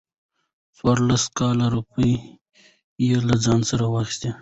څورلس لکه روپۍ يې له ځان سره واخستې.